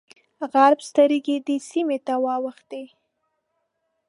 غرب سترګې دې سیمې ته واوښتې.